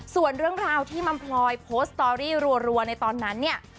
ส่วนเรื่องราวที่มัมพลอยโพสต์สตอรี่รัวในตอนนั้นเนี่ย